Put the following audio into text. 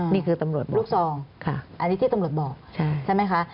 นี่คือตำรวจลูกซองค่ะอันนี้ที่ตำรวจบอกใช่ไหมคะ